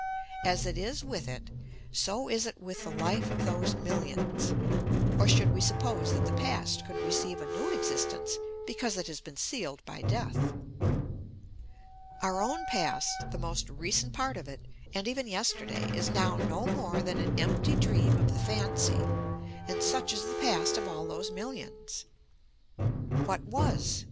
As it is with it, so is it with the life of those millions. Or should we suppose that the past could receive a new existence because it has been sealed by death? Our own past, the most recent part of it, and even yesterday, is now no more than an empty dream of the fancy, and such is the past of all those millions. What was?